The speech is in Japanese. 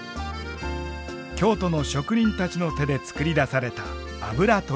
京都の職人たちの手で作り出されたあぶらとり紙。